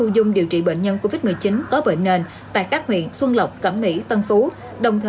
để điều trị kịp thời giảm tỷ lệ tử vong